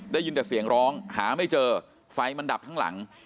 ได้ยินแต่เสียงร้องหาไม่เจอไฟมันดับทั้งหลัง